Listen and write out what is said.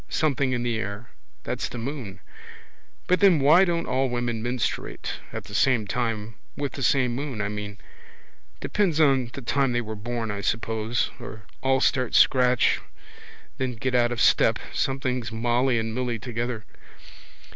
Something in the air. That's the moon. But then why don't all women menstruate at the same time with the same moon, I mean? Depends on the time they were born I suppose. Or all start scratch then get out of step. Sometimes Molly and Milly together.